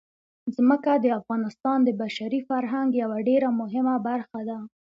ځمکه د افغانستان د بشري فرهنګ یوه ډېره مهمه برخه ده.